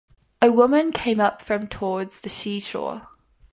A woman came up from towards the sea shore.